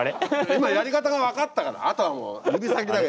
今やり方が分かったからあとはもう指先だけ。